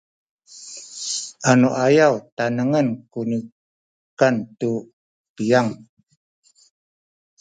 anuayaw tanengen ku nikan tu piyang